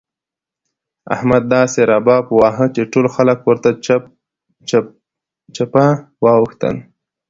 احمد داسې رباب وواهه چې ټول خلګ ورته چپه واوښتل.